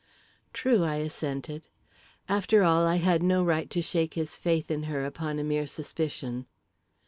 "True," I assented. After all, I had no right to shake his faith in her upon a mere suspicion.